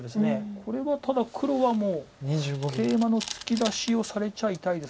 これはただ黒はケイマの突き出しをされちゃ痛いです。